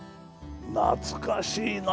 なつかしいな。